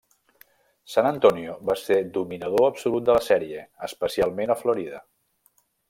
San Antonio va ser dominador absolut de la sèrie, especialment a Florida.